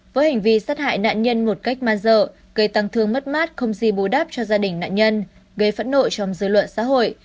với hành vi sát hại nạn nhân một cách man dợ gây tăng thương mất mát không gì bù đắp cho gia đình nạn nhân gây phẫn nộ trong dư luận xã hội